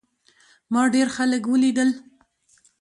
ما ډېر خلک ولیدل.